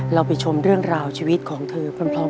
เราไปชมเรื่องราวชีวิตของเธอพร้อม